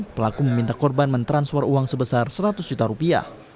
pelaku meminta korban mentransfer uang sebesar seratus juta rupiah